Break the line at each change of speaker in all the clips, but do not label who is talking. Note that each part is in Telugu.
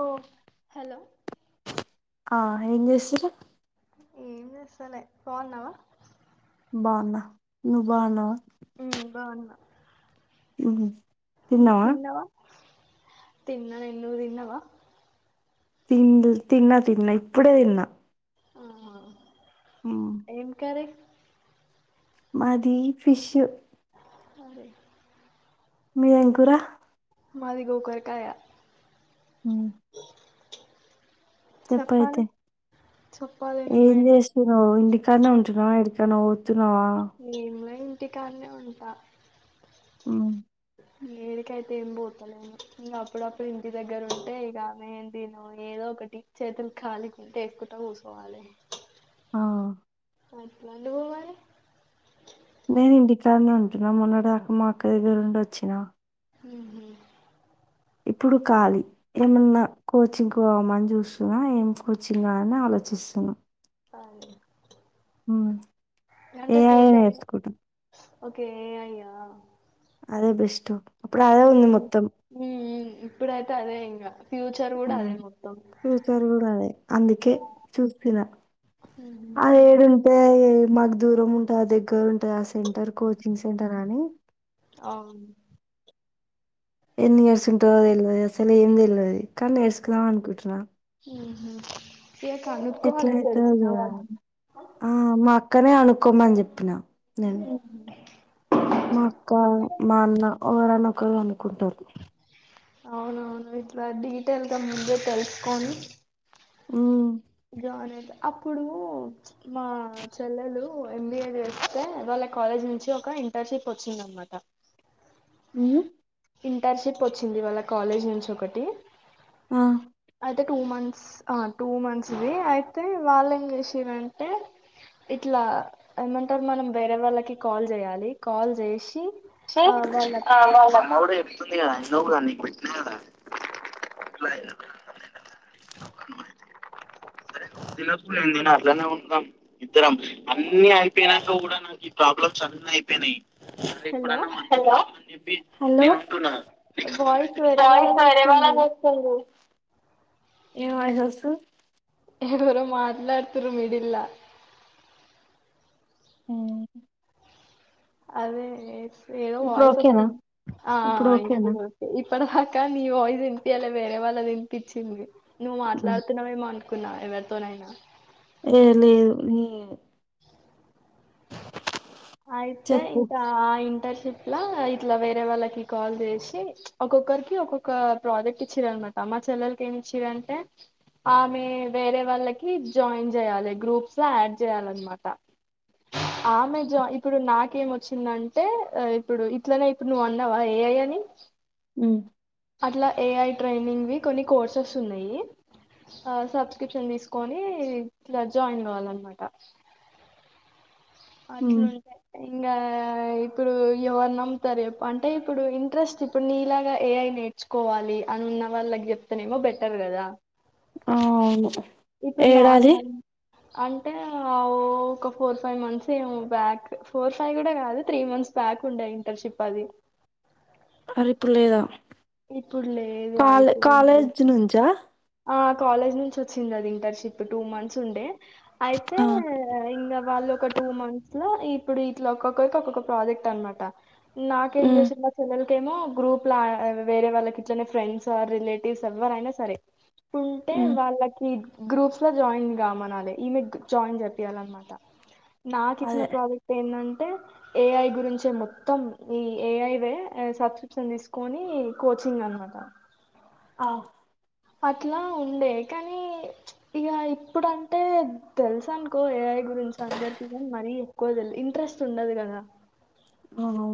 ఓ
హలో
ఆ ఏం చేస్తురు
ఏం చేస్తాలే బాగున్నావా
బాగున్న నువ్వు బాగున్నావా
మ్మ్ బాగున్నా
మ్మ్ తిన్నావా
తిన్న నేను నువ్వు తిన్నావా
తిం తిన్నా తిన్నా ఇప్పుడే తిన్నా
ఆ
ఉమ్.
ఏం కర్రీ
మాది ఫిష్
సరే
మీది ఏం కూర
మాది గోకరకాయా
మ్మ్ చెప్పైతే
చెప్పాలి చెప్పాలి
ఏం
నువ్వే
చేస్తున్నావ్ ఇంటి ఇక్కడనే ఉంటున్నావా ఎందుకన్నా పోతున్
ఏం వై ఇంటికాడనే ఉంటా
మ్మ్
ఏడికి అయితే ఏం పోతలేదు ఇంకా అప్పుడప్పుడు ఇంటి దగ్గర ఉంటే ఇక ఏం తిను ఏదో ఒకటి చేతులు కాలికుంటే ఎక్కుతా కూర్చోవాలి
ఆ
అట్లా ఉంటది మీరు మరి
నేను ఇంటికానే ఉంటున్నా మొన్నడదాకా మా అక్క దగ్గర నుండి వచ్చినా
మ్మ్
ఇప్పుడు కాళీ ఏమన్నా కోచింగ్ పోమని చూస్తున్నా ఏం కోచింగ్ ఆ అని ఆలోచిస్తున్నా
అదే
హ్మ
అంటే పోతా ఓకే ఎ యై
అదే బెస్ట్ ఇప్పుడు
హు
అదే
మ్మ్,
ఉంది మొత్తం
మ్మ్ మ్మ్ ఇప్పుడైతే అదే ఫ్యూచర్ కూడా అదే
మ్మ్
మొత్తం
ఫ్యూచర్ కూడా అదే అందుకే చూస్తున్న.
ఊహు
ఆ ఏడుంటే ఈడ మాక్ దూరం ఉంటా దగ్గర ఉంటాయా సెంటర్ కోచింగ్ సెంటర్ అనీ
అవునా
ఎన్ని ఇయర్స్ ఉంటదో తెల్వదు, అసలు ఏం తెలవది. కాని నేర్సుకుందాం అనుకుంటున్నా.
హ్మ్ హు ఏ
ఎట్లా
కనుక్కోవాల
అయితదో
తెలిసిన వాళ్లని
క్కనే అనుకోమని చెప్పిన
ఉమ్.
మా అక్క మా అన్న ఎవరైనా ఒకరు కనుక్కుంటరు
అవునవును ఇట్ల డీటెయిల్ గా ముందే తెలుసుకొని
మ్మ్
జాయిన్ అయితే అప్పుడూ మా చెల్లెలు ఎం బీ ఏ చేస్తే, వాళ్ళ కాలేజీ నుంచి ఒక ఇంటర్ షిప్ వచ్చింది అనమాట.
మ్మ్
ఇంటర్ షిప్ వచ్చింది వాళ్ళ కాలేజ్ నుంచి ఒకటి
ఆ
అయితే టూ మంత్స్ ఆ టూ మంత్స్ వీ అయితే వాళ్ళు ఏం చేసిర్రంటే, ఇట్లా ఏమంటారు మనం వేరే వాళ్ళకి కాల్ చేయాలి కాల్ చేసి, ఆ
చ్చి
వాళ్ళ
ద నౌగాన్ని అట్లనే ఉంటున్నాం ఇద్దరం అన్ని అయిపోయినంక కూడా మనకి ప్రాబ్లమ్స్ అన్ని అయిపోయినాయి
హలో
హలో హలో
వాయిస్ వేరే
వాయిస్
వాళ్ళది
వేరే
వస్తుంది
వాళ్ళది వస్తుంది ఏం వాయిసెస్సు
ఎవరో మాట్లాడుతురు మిడిల్లా
మ్మ్
అవే ఏట్స్ ఏదో
ఇప్పుడు
వాయిస్
ఓకేనా
వస్తుంది ఆ ఆ ఇప్పుడు ఓకే ఇప్పు ఇప్పటిదాకా నీ వాయిస్ వినిపియ్యలే, వేరే వాళ్ళది వినిపించింది. నువ్వు
ఉమ్.
మాట్లాడుతున్నావేమో అను కున్నా ఎవరితోనైనా
ఏ లేదు నీ
అయితే
చెప్పు
ఇంకా ఇంటర్ ఇట్లా వేరే వాళ్ళకి కాల్ చేసి, ఒక్కొక్కరికి ఒక్కొక్క ప్రాజెక్ట్ ఇచ్చిర్రు అన్నమాట. మా చెల్లెలికి ఏమి ఇచ్చిరంటే ఆమె వేరే వాళ్ళకి జాయిన్ చేయాలి, గ్రూప్స్ లో ఆడ్ చేయాలన్నమాట. ఆమె ఇప్పుడు నాకేం వచ్చిందంటే, ఇప్పుడు ఇట్లనే ఇప్పుడు నువ్వు అన్నావా ఏ ఐ అనీ
మ్మ్
అట్లా ఏ ఐ ట్రైనింగ్ కొన్ని కోర్సెస్ ఉన్నాయి. సబ్స్క్రిప్షన్ తీసుకొని ఇట్ల జాయిన్ కావాలన్నమాట.
ఉమ్
అట్లుంటే ఇంకా ఆ ఇప్పుడు ఎవరు నమ్ముతారు చెప్పు అంటే ఇప్పుడు ఇంట్రెస్ట్ ఇప్పుడు నీ లాగా ఏ అఐ నేర్చుకోవాలి అని ఉన్న వాళ్ళకి చెప్తనేమో బెటర్ కదా
అవును అవును
ఇప్పుడు
ఏడాది
నార్మల్ అంటే ఆ ఓ ఒక ఫోర్ ఫైవ్ మంత్స్ ఏమో బ్యాక్ ఫోర్ ఫైవ్ కూడా కాదు త్రీ మంత్స్ బ్యాక్ ఉండేయి ఇంటర్న్షి షిప్ అది
మరి ఇప్పుడు లేదా
ఇప్పుడు లేదు
కాలే
అయిపోయింది
కాలేజ్ నుంచా
ఆ కాలేజ్ నుంచి వచ్చింది అది ఇంటర్న్షి షిప్ టూ మంత్స్ ఉండే అయితే
ఆ
ఇంగ్ వాళ్ళ ఒక టూ మంత్స్ ఇప్పుడు ఇట్లా ఒక్కొలకి ఒక్కొక్క ప్రాజెక్ట్ అనమాట. నాకేం
ఉమ్
చేసింది నా చెలెల్ ఏమో గ్రూప్లో వేరే వాళ్ళకి ఇచ్చిన ఫ్రెండ్స్ ఆ రిలేటివ్స్ ఎవరైనా సరే. ఉంటే
ఉమ్
వాళ్ళకి గ్రూప్స్ లో జాయిన్ గామనలే ఈమె జాయిన్ చేపియ్యాలన్నమాట. నాకు ఇచ్చిన
అదే
ప్రాజెక్ట్ ఏందండి. అతే ఏఐ గురించ మొత్తం. ఈ ఏఐ వే సబ్స్క్రిప్షన్ తీసుకొని కోచింగ్ అనమాట.
అ
అట్లా ఉండే కానీ ఇగా ఇప్పుడంటే తెలుసనుకో ఏఐ. ఎప్పుడో తెలుసఅందరికీ కానీ మరి. కొదల్ ఇంట్రెస్ట్ ఉండదు కదా.
అవును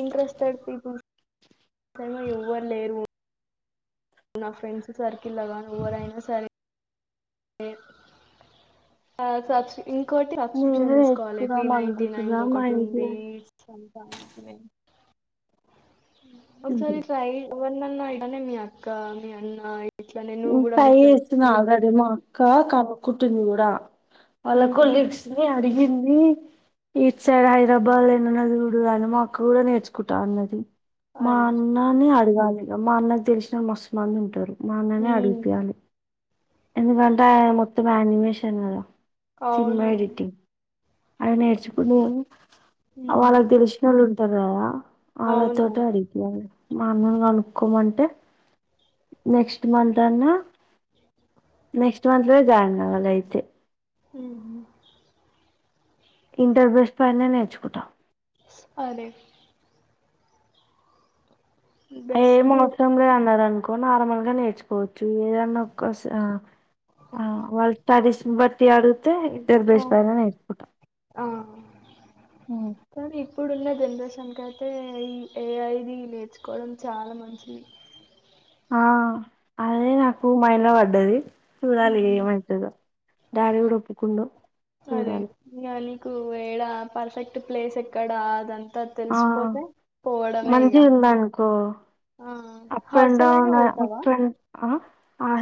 ఇంటంట్రెస్ట్ పెడితిగొ. ఇంట్లోమో ఎవ్వరు లేరు. నా ఫ్రెండ్స్ సర్కిల్ లాగానీ ఎవరైనా సరే. ఏ సాశీ ఇంకొటి
నేను
సబ్స్క్రిప్షన్ తీసుకోవాలి త్రీ
వేసుకుదాం
నైన్టీ నైన్
అనుకుంటున్నా
లో
మా
ఒకటి
ఇంట్లో
ఉంది సెవెన్ నైన్టీ నైన్
ఉహు.
ఒకసారి ట్రయి వన్నన్నా గనే మీ అక్క మీ అన్న ఇట్లానే నువ్వు కూడా మీ
టై
ఫ్రెండ్స్
ఇస్తున్నా
కి
ఆల్రెడీ మా కా కమ్మ్కుట్టిని కూడా. వాల కొలీగ్స్ ని అడిగింది. ఇ ఈస్ట్ సైడ్ హైదరాబాద్ ఎని నదిడు కాని మా అక్క కూడా నేర్చుకుంటా అన్నది. మా
అరే
అన్నని అడగాలి. ఇగ మా అన్నకి తెలిసిన మస్తు మంది ఉంటారు. మా అన్ననే అడిగిపియ్యాలి. ఎందుకంటే అయినా మొత్తం ఆనిమేషన్ కదా.
అవును
అల నెర్చుకుంటూ బొవ్ ఆ వాళ్లకు తెలిసినోలు తదా
అవునవును
అవతోటి అడిగిపియ్యాలి. మా అన్నను కనుక్కోమంటే నెక్స్ ఇ మంత్ అన్నా నెక్స్ట్ మంత్ లో జాయిన్ కావాల అయితే.
ఉ ఉ
ఇంటర్ బెస్ట్డ్ పైన నేర్చుకుంటాం
అదే
ఏం
బెస్ట్
అవసరం లే అన్నారు ఎక్కువ నార్మల్ గా నేర్చుకోవచ్చు ఏదన్నా ఒక్క స ఆ వాళ్ళు తడిసిన బట్టి అడు తె ఇద్దర్
ఆ
బేస్ బారనే ఇట్కుట
ఆ
ఉ
కానీ ఇప్పుడున్న జనరేషన్కి ఐతే ఎఐ ది నేర్చుకోవడం చాలా మంచిది
ఆ అదే నాకు మైండ్ లో పడ్డది చూడాలి
ఉమ్.
ఏమైతదో డాడీ కూడా ఒప్పుకుండు
సరే
చూడాలి
[unintelligible] కు వేడా పర్ఫెక్ట్ ప్లేస్ ఎక్కడా అదంత
ఆ మంచి ఉందా అనుకో
ఆ
అప్ అండ్
హాస్టల్ అయినా
డౌన్
పోతావా
అప్ అం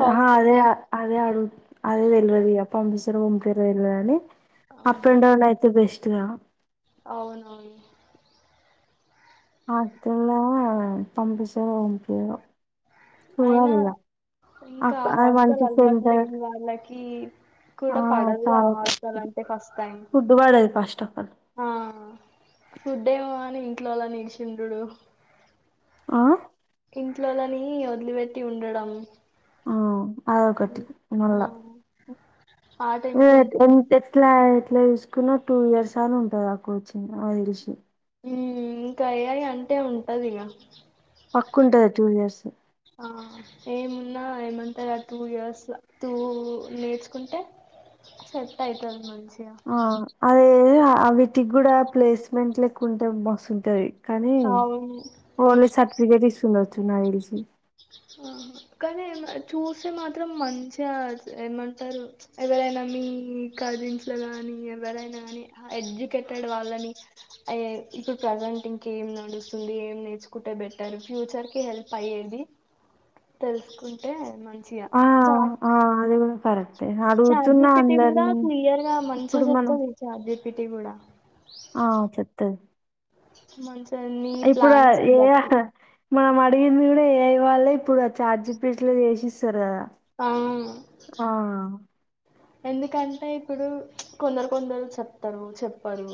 హాస్టల్
అదే అదే అడుగు అదే తెల్వదిగా పంపిస్తురాగా గుంపిరు వెల్ని అప్
ఆహా
అండ్ డౌన్ అయితే బెస్ట్ [unintelligible]
అవునవును
అట్లా పంపిస్తాదో పంపియదు
అయినా ఇంకా
అక్
ఆ
అది
హాస్టల్
మంచి
అలవాటు
సెంటర్
లేని వాళ్ళకి
ఆ
కూడా పడదు ఆ
చాలా
హాస్టల్ అంటే ఫస్ట్ టైం
ఫుడ్ పడదు ఫస్ట్ ఆఫ్ ఆల్
ఆ ఫుడ్ ఏమో గానీ ఇంట్లో వాళ్ళని విడిచుండుడు
ఆ
ఇంట్లోలని వదిలిపెట్టి ఉండడం
ఆ కట్టిన
ఆ
మల్ల
ఆ
ఏ ఎట్ల
టెన్షన్తో
[unintelligible] ఎట్లా చూసుకున్న టూ ఇయర్స్ అయినా ఉంటుది ఆ కోచింగు నాకు తెలిసి
హ్మ్మ్ ఇంకా అయ్యాయి అంటే ఉంటది ఇగా
పక్కుంటది టూ ఇయర్స్
ఆ ఏమున్నా ఏమంటారు టూ ఇయర్స్ టూ నేర్చుకుంటే సెట్ అయితది మంచిగా
ఆ అదే ఆ వీటికి కూడా ప్లేస్మెంట్ క్కు ఉంటే మస్తుంటుంది కానీ
అవును
పోలీస్ సర్టిఫికేట్ ఇంగ వచ్చిన ఇడిసి
ఆ కానీ చూస్తే మాత్రం మంచిగా ఏమంటారు ఎవరైనా మీ కజిన్స్ లో గాని ఎవరైనా కాని ఎడ్యుకేటెడ్ వాళ్ళని ఇప్పుడు ప్రజెంట్ ఇంకేం నడుస్తుంది ఏం నేర్చుకుంటే బెట్టరు ఫ్యూచర్ కి హెల్ప్ అయ్యేది తెలుసుకుంటే మ
ఆ ఆ అది కూడా పర
చార్ది పెట్టి గూడా క్లియర్ గా మంచిగా
ఇప్పుడు మనం
చెప్తుంది చార్జీ పెటిగుడ
ఆ చెత్త
మంచి అవి మీ ప్లాన్స్ ని
ఏ
బట్టి
మనం అడిగింది కూడా ఏఐ వాళ్ళు ఇప్పుడు ఆ ఛార్జి పీట్లు చేసిస్తారు కదా
ఆ
ఆ
ఎందుకంటే ఇప్పుడు కొందరు కొందరు చెప్తారు చెప్పరు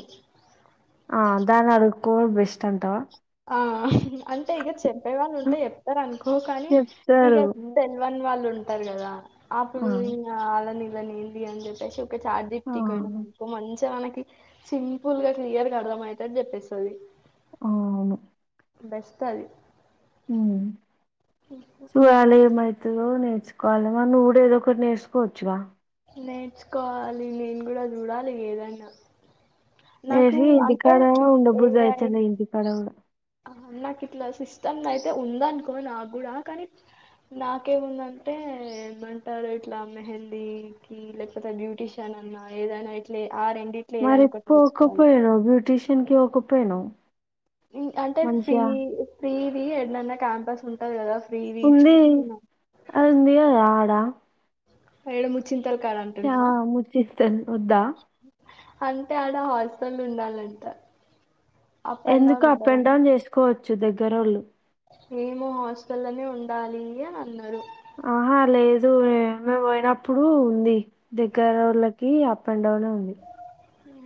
ఆ దాన్ని అడుక్కో బెస్ట్ అంటావా
ఆ అంటే ఇక చెప్పే వాళ్ళు ఉంటే చెప్తరు అనుకో కానీ ఇక
చెప్తారు
తెల్వని వాళ్ళు ఉంట టారు కదా
ఆ
అపుడు ఇంగ ఆళ్ళని నీది అంది చెప్పేసి ఇక ఛార్జీకి
ఆ
టికెట్ కొనుక్కో మని మంచినకి సింపుల్ గా క్లియర్గా అర్థం అయితాది అని చెప్పేస్తుంది
ఆ అవును
బెస్ట్ అది
ఊ [inaudible] ఎో నేర్చుకోవాలిమా నువ్వు కూడా ఏదో ఒకటి నేర్చుకోవచ్చుగా
నేర్చుకోవాలి నేను గూడా చూడాలి ఏదైనా నాకు
ఏది
అంటే
ఇంటికాడ ఉండ బుద్ధి
ఏఐ
అయితలేదు ఇంటికాడ కూడా
నాకు ఇట్లా సిస్టమ్ అయితే ఉందనుకో నాకు కూడా కానీ నాకేముందంటే ఏమంటారు ఇట్లా మెహందీ మ్ లేకపోతే బ్యూటీషియన్ అన్నా ఏదైనా ఇట్లే
మరి పోక పోయినవ్ బ్యూటిష తనకి ఒక పేను
అంటే ఫ్రీ ఫీవి ఎడ్నన్నా క్యాంపస్ ఉంటది కదా ఫ్రీది
ఉంది
చూస్తున్నా
అంది ఆడా
మేడమ్ వచ్చింది
చా ముచ్చిస్తన్ ఒద్దా
అంటే ఆడ హాస్టల్ ఉండాలంట అప్ అండ్
ఎందుకు
డౌన్
అప్ అండ్
ఉండదంట
డౌన్ చేసుకోవచ్ చ్చు దగ్గరోళ్ళు
ఏమో హాస్టలనే ఉండాలి అని అన్నారు
ఆహా లేదు మే పోయినప్పుడు ఉంది దగ్గరోళ్ళకి అప్ అండ్ డౌనే ఉంది.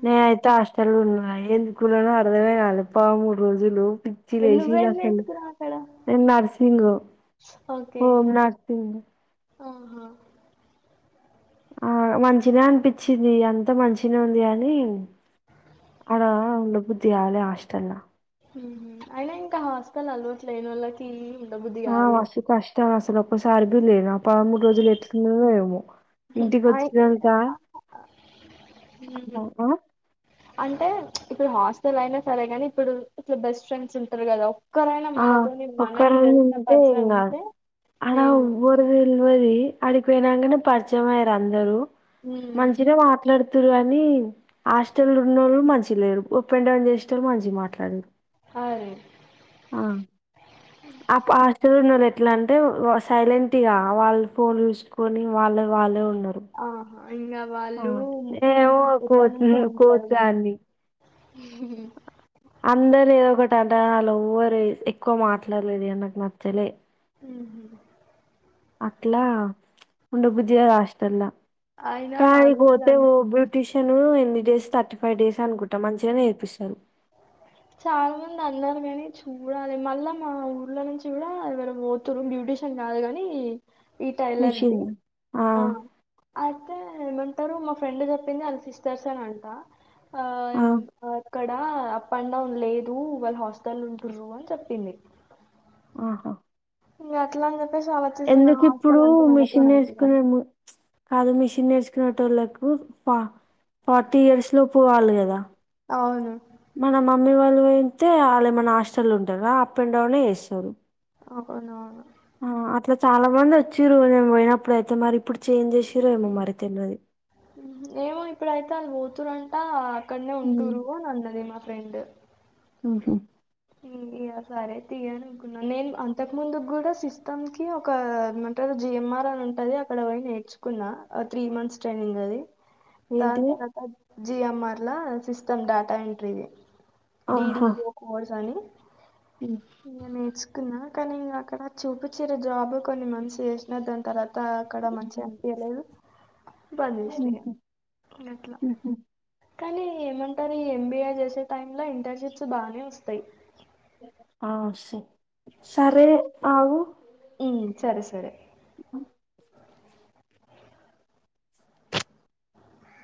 నేనయితే హాస్టల్ ఉన్నా ఎందుకున్ననో అర్థమే కాలే పదమూడు రోజులు పిచ్చి
ఏ,
లేశింది
నువ్వేం
అసలు
నేర్చుకున్నావ్ అక్కడ
నేన్ నర్సింగ్
ఓకే
హోమ్ నర్సింగ్
ఆహా
ఆ మంచినే అనిపించింది అంత మంచినే ఉంది కానీ ఆడ ఉండబుద్ధి కాలే హోస్టల్ లా
హ్మ్మ్ అయినా ఇంకా హాస్టల్ అలవ్టులెన్నోలకి
ఆ మస్తు కష్టం అస్సలు ఒకసారి కూడా లేను ఆ పదమూడు రోజలు ఏట్లునన్నో ఏమో ఇంటికి
అయి
వచ్చినంక
ఉమ్.
[unintelligible] ఆ
అంటే ఇప్పుడు హాస్టల్ అయినా సరే గాని ఇప్పుడు ఇప్పుడూ బెస్ట్ ఫ్రెండ్స్ ఉంటారు కదా. ఒక్కరైనా
ఆ
మనతోని
ఒక్క
మనకి
రైనా
తెలిసిన
ఉంటే
పర్సన్
ఇంగ
ఉంటే
ఆడ
ఏంలేదు
ఒవ్వరు తెల్వది అడికిపోయినంగనే పరిచయం అయ్యారు అందరు
ఉమ్
మంచినే మాట్లాడత తురు కానీ హాస్టల్ ఉన్నోళ్లు మంచిగా లేరు అప్ అండ్ డౌన్ చేసేటోళ్ళు మంచిగా మాట్లాడిన్రు.
అరే
ఆ హాస్టల్ ఉన్నోళ్ళు ఎట్లా అంటే సైలెంట్గా వాళ్ళు ఫోన్ చూసుకొని వాళ్ళ వాళ్ళే ఉన్
ఆహా ఇంగ వాళ్ళు
ఏమో కోచ్
ఎప్పటనుంచో ఉంటదిగా
కోచ్దాన్ని అందరు ఏదొకటి జంటగాల్లు ఎవ్వరు ఎక్కువ మాట్లాడలేదు ఇగ నాకు నచ్చలే
ఉహు
అట్లా ఉండ బుదిగద్ హాస్టల
అయినా
కా ఇది
హాస్టల్
బోతే
అం
ఓ బ్యూటిషి నేను ఎన్ని డేస్ థర్టీ ఫైవ్ డేస్ అనుకుంట మంచిగానే నేర్పిస్తరు
చాలా మంది అన్నారు కానీ చూడాలి మళ్ళా మా ఊర్లో నుంచి కూడా ఎవరో పోతున్నరు బ్యూటీషియన్ కాదు గానీ ఈ టైలర్ ది
మిషన్
ఆ ఐతే ఏమంటారు మా ఫ్రెండ్ చెప్పింది ఆళ్ళ సిస్టర్స్ ఎ అంట ఆ ఒక ఆ పండగ లేదు వాళ్ళ హాస్టల ఉంటుండ్రు అని చెప్పింది
ఆహా
ఇగ అట్లా అని చెప్పి
ఎందుకు ఇప్పుడు మిషన్
అవుతుందని
నేర్చుకున్నార్ కాదు మిషన్ నేర్చుకు టునే నోళ్లకు ఫ ఫార్టీ ఇయర్స్ లో పోవాలి కదా
అవును
నేల అయితే వాళ్ళ మన హాస్టల ఉంటారా అప్ అండ్ డౌన్ ఎ చేస్తారు
అవునవును
ఆ అట్లా చాలా మంది వచ్చిరు నేన్ పోయినప్పుడుయితే మరి ఇప్పుడు చేంజ్ చేసిరేమో మరి తేల్వది
ఏమో ఇప్పుడైతే ఆలూ పోతురంటా అక్కడనే
ఉమ్
ఉంటూరు అనినది మా రెండు
మ్మ్ హు
సరే తీయని అనుకున్నాను నేను అంతకు ముందు కూడా సిస్టమ్ కి ఒక ఎం అంటారు జిఎంఆర్ అని ఉంటది అక్కడ పోయి నేర్చుకున్నా త్రీ మంత్స్ ట్రైనింగ్ అది దాన్
ఏంటిది
తర్వాత జిఎంఆర్లా సిస్టమ్ డేటా ఎంట్రీది డిడీ
ఆహా
లో కోల్ కానీ
ఉమ్.
ఇ నేచుకున్నా కానీ అక్కడ చూపించరు జాబ్ కొన్ని మన్స్ చేసిన దాని తర్వాత అంత అక్కడ మంచిగా అనిపియలేదు బంద్ చేసిన
ఉహు.
అట్లట్లా
ఉహు.
కానీ ఏమంటారు ఈ ఎంబీఏ చేసే టైమ్ లో ఇంటర్న్షిప్స్ బానే వస్తాయి
ఆ ఓస్తాయ్ సారే అగు
ఉమ్ సరే సరే
అ